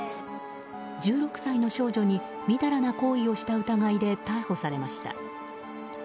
１６歳の少女にみだらな行為をした疑いで逮捕されました。